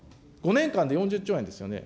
５年間で４０兆円ですよね。